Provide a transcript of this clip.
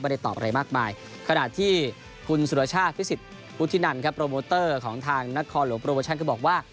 ไม่ได้ตอบอะไรมากมายขนาดที่คุณสุฬชาติฟิสิตฟุตินันค่ะโปรโมเตอร์ของทางนครหรือโปรโมชั่นก็บอกว่า